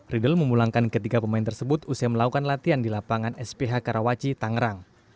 riedel memulangkan ketiga pemain tersebut usai melakukan latihan di lapangan sph karawaci tangerang